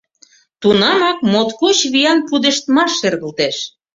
Тунамак моткоч виян пудештмаш шергылтеш.